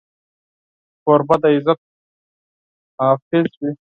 کوربه د عزت حافظ وي.